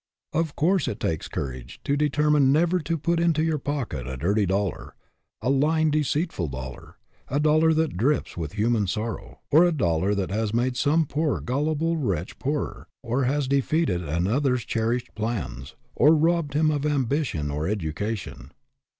Of course it takes courage to determine never to put into your pocket a dirty dollar, a lying, deceitful dollar, a dollar that drips with human sorrow, or a dollar that has made some poor gullible wretch poorer, or has defeated another's cherished plans, or robbed him of ambition or education.